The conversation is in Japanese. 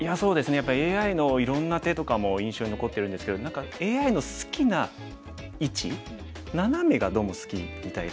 やっぱりＡＩのいろんな手とかも印象に残ってるんですけど何かＡＩの好きな位置ナナメがどうも好きみたいで。